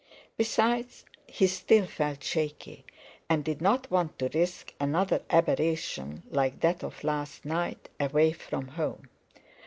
Besides, he still felt shaky, and did not want to risk another aberration like that of last night, away from home.